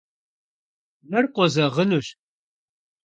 Мыр къозэгъынущ.